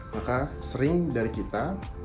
maka sering dari kita